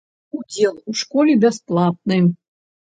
Удзел у школе бясплатны.